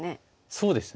そうですね。